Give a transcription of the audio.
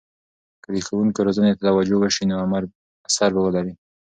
که د ښوونکو روزنې ته توجه وسي، نو اثر به ولري.